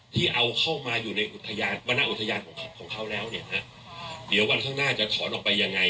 ที่เอาเข้ามาอยู่ในอุทยานวรรณอุทยานของเขาแล้วเนี่ยฮะเดี๋ยววันข้างหน้าจะถอนออกไปยังไง